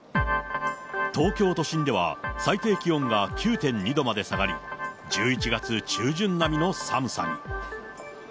東京都心では最低気温が９．２度まで下がり、１１月中旬並みの寒さに。